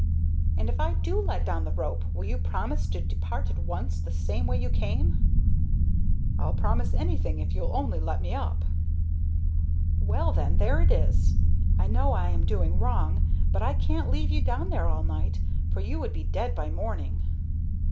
"And if I do let down the rope, will you promise to depart at once the same way you came?" "I'll promise anything if you'll only let me up." "Well, then, there it is. I know I am doing wrong, but I can't leave you down there all night, for you would be dead by morning."